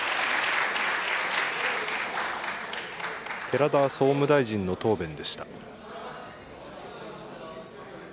寺田総務大臣の答弁でした。